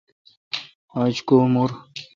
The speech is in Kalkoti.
آج کو مور۔